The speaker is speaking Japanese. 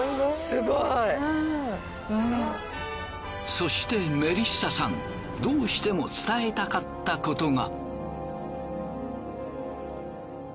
そしてメリッサさんどうしても伝えたかったことが。